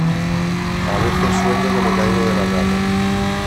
A veces sueño que me caigo de la cama.